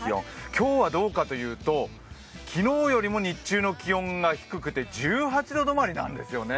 今日はどうかというと、昨日よりも日中の気温が低くて１８度止まりなんですよね。